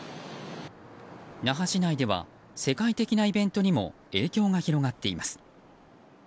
那覇市内では世界的なイベントにも影響が広がっています。